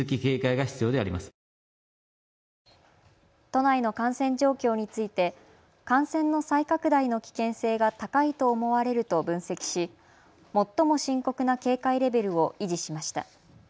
都内の感染状況について感染の再拡大の危険性が高いと思われると分析し最も深刻な警戒レベルを維持しました。